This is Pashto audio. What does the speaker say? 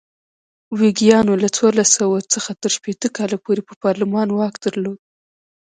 ویګیانو له څوارلس سوه څخه تر شپېته کاله پورې پر پارلمان واک درلود.